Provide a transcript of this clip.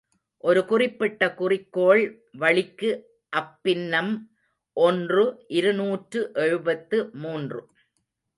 ஒரு குறிப்பிட்ட குறிக்கோள் வளிக்கு அப்பின்னம் ஒன்று இருநூற்று எழுபத்து மூன்று.